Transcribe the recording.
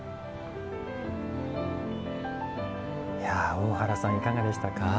大原さん、いかがでしたか。